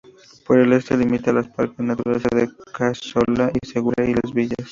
Por el este, limita con el Parque Natural de Cazorla, Segura y Las Villas.